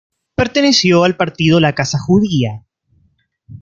Perteneció al partido La Casa Judía.